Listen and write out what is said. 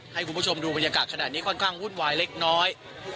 ให้คุณผู้ชมดูบรรยากาศขนาดนี้ค่อนข้างวุ่นวายเล็กน้อย